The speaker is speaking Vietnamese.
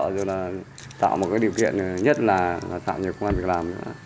rồi là tạo một cái điều kiện nhất là tạo nhiều công an việc làm